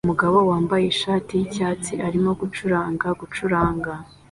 Umugabo wambaye ishati yicyatsi arimo gucuranga gucuranga